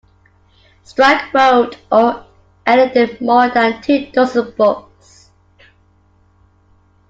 Stryk wrote or edited more than two dozen books.